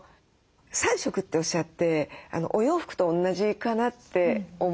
３色っておっしゃってお洋服と同じかなって思いましたね。